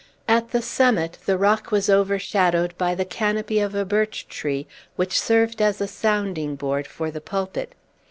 At the summit, the rock was overshadowed by the canopy of a birch tree, which served as a sounding board for the pulpit.